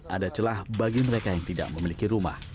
ada celah bagi mereka yang tidak memiliki rumah